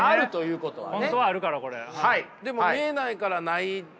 実際ね本当はあるからこれ。